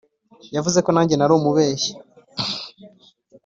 yavuze ko nanjye nari umubeshyi,